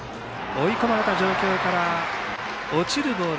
追い込まれた状況から落ちるボール